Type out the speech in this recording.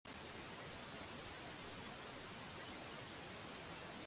Kutokana na ushawishi mkubwa wa Uingereza katika mataifa ya dunia